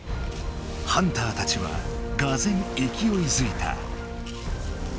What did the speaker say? ハンターたちはがぜんいきおいづいた。